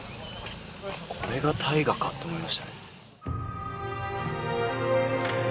「これが『大河』か」と思いましたね。